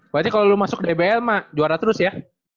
berarti kalau lo masuk dbl mah juara terus ya